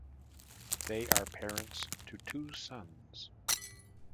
They are parents to two sons.